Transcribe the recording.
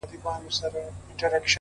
• او خپل سر يې د لينگو پر آمسا کښېښود؛